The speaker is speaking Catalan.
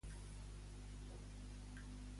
L'hora de Morelos, me la pots dir?